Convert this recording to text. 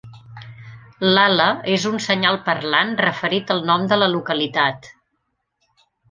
L'ala és un senyal parlant referit al nom de la localitat.